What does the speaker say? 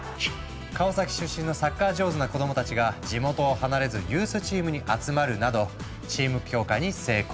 川崎出身のサッカー上手な子どもたちが地元を離れずユースチームに集まるなどチーム強化に成功。